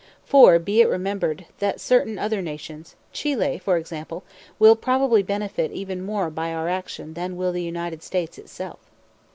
(For, be it remembered, that certain other nations, Chile for example, will probably benefit even more by our action than will the United States itself.)